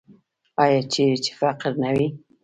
آیا چیرې چې فقر نه وي؟